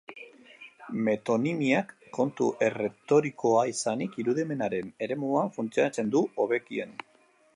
Metonimiak, kontu erretorikoa izanik, irudimenaren eremuan funtzionatzen du hobekien.